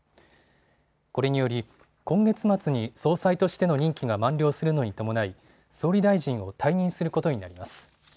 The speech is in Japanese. これにより今月末に総裁としての任期が満了するのに伴い総理大臣を退任することになります。